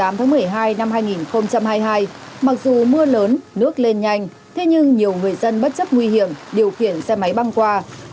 mặc dù mưa lớn nước lên nhanh thế nhưng nhiều người dân bất chấp nguy hiểm điều khiển xe máy băng qua